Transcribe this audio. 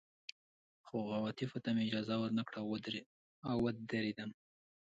خو عواطفو ته مې اجازه ور نه کړه او ودېردم